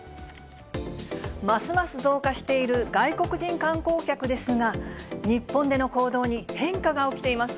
ますます増加している外国人観光客ですが、日本での行動に変化が起きています。